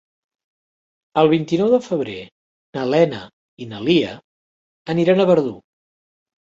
El vint-i-nou de febrer na Lena i na Lia aniran a Verdú.